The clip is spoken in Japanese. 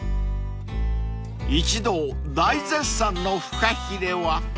［一同大絶賛のフカヒレは］